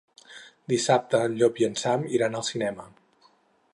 Dissabte en Llop i en Sam iran al cinema.